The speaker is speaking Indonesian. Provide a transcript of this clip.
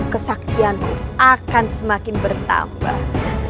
kesaktianku akan semakin bertambah